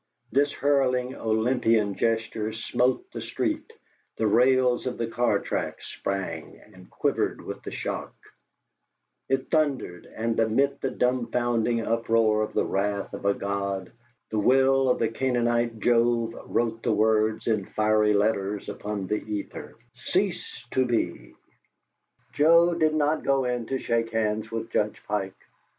This hurling Olympian gesture smote the street; the rails of the car track sprang and quivered with the shock; it thundered, and, amid the dumfounding uproar of the wrath of a god, the Will of the Canaanite Jove wrote the words in fiery letters upon the ether: "CEASE TO BE!" Joe did not go in to shake hands with Judge Pike.